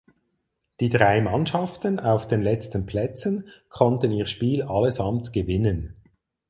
Die drei Mannschaften auf den letzten Plätzen konnten ihr Spiel allesamt gewinnen.